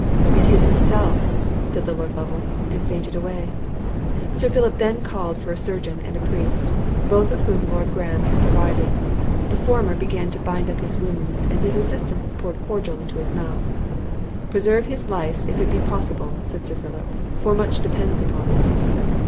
"It is himself!" said the Lord Lovel, and fainted away. Sir Philip then called for a surgeon and a priest, both of which Lord Graham had provided; the former began to bind up his wounds, and his assistants poured a cordial into his mouth. "Preserve his life, if it be possible," said Sir Philip; "for much depends upon it."